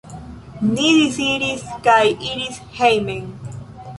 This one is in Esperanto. Ni disiris kaj iris hejmen.